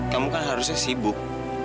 kamu kan harusnya sibuk